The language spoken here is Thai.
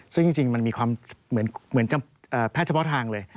ซึ่งจริงมันมีความเหมือนแพทย์เฉพาะทางเลย